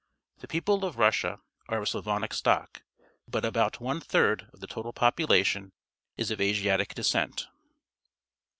The people of Russia are of Slavonic stock, but about one third of the total population is of Asiatic descent.